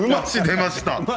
出ました。